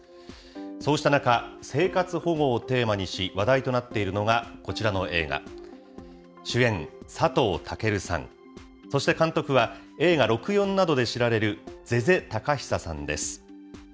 そうした中、生活保護をテーマにし、話題となっているのがこちらの映画、主演、佐藤健さん、そして監督は映画、ロクヨンなどで知られる瀬々敬久さんです。